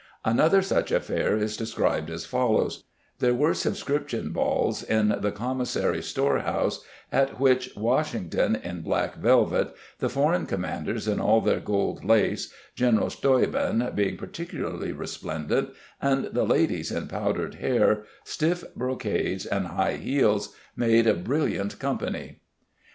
Another such affair is described as follows: "There were subscription balls in the commissary store house at which Washington in black velvet, the foreign commanders in all their gold lace, General Steuben being particularly replendent and the ladies in powdered hair, stiff brocades and high heels made a brilliant company."